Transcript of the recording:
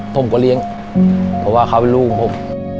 ผมก็เลี้ยงเพราะว่าเขาเป็นลูกของผม